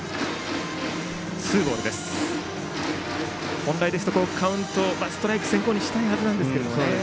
本来ですとカウント、ストライク先行にしたいはずなんですけどね。